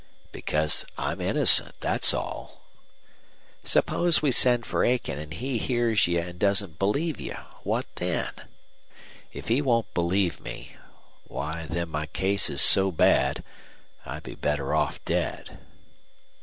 "Because I'm innocent, that's all." "Suppose we send for Aiken an' he hears you an' doesn't believe you; what then?" "If he won't believe me why, then my case's so bad I'd be better off dead."